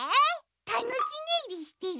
たぬきねいりしてる。